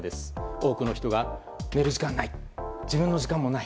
多くの人が、寝る時間がない自分の時間もない。